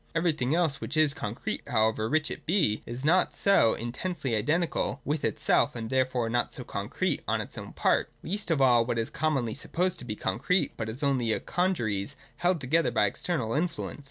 Everything else which is concrete, however rich it be, is not so intensely identical with itself and therefore not so concrete on its own part, — least of all what is commonly supposed to be concrete, but is only a congeries held together by external influence.